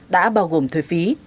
đã bao gồm thuế phí